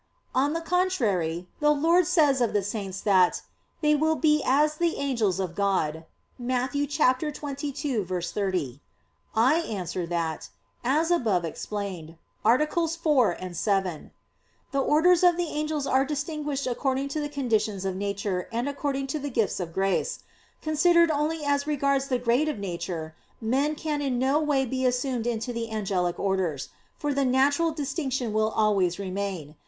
On the contrary, The Lord says of the saints that, "they will be as the angels of God" (Matt. 22:30). I answer that, As above explained (AA. 4,7), the orders of the angels are distinguished according to the conditions of nature and according to the gifts of grace. Considered only as regards the grade of nature, men can in no way be assumed into the angelic orders; for the natural distinction will always remain.